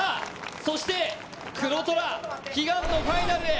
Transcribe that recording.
そして黒虎悲願のファイナルへ。